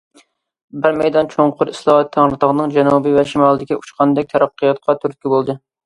بىر مەيدان چوڭقۇر ئىسلاھات تەڭرىتاغنىڭ جەنۇبى ۋە شىمالىدىكى ئۇچقاندەك تەرەققىياتقا تۈرتكە بولدى.